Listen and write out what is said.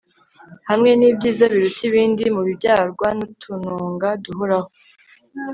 hamwe n'ibyiza biruta ibindi mu bibyarwa n'utununga duhoraho